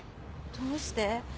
どうして？